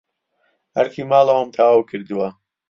ئەرکی ماڵەوەم تەواو کردووە.